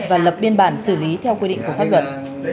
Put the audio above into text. và lập biên bản xử lý theo quy định của pháp luật